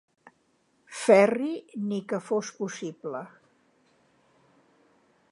Ferri ni que fos possible.